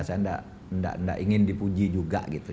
saya tidak ingin dipuji juga gitu